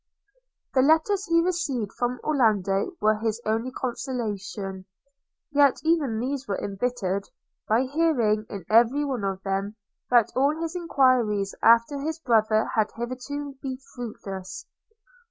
The letters he received from Orlando were his only consolation; yet even these were embittered, by hearing, in every one of them, that all his enquiries after his brother had hitherto been fruitless.